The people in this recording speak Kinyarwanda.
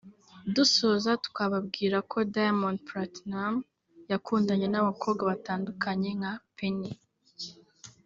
Dusoza twababwira ko Diamond Platnmuz yakundanye n’abakobwa batandukanye nka Penny